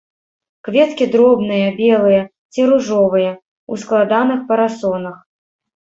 Кветкі дробныя, белыя ці ружовыя, у складаных парасонах.